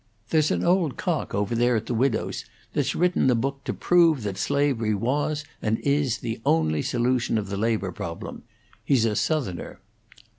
"There's an old cock over there at the widow's that's written a book to prove that slavery was and is the only solution of the labor problem. He's a Southerner."